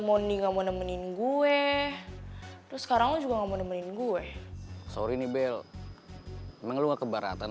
moni nggak mau nemenin gue terus sekarang juga mau nemenin gue sorry nibel memang lu kebaratan